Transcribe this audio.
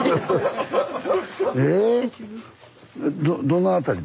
どどの辺り？